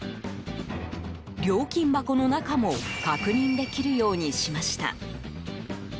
料金箱の中も確認できるようにしました。